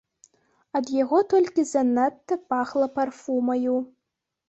Ад яго толькі занадта пахла парфумаю.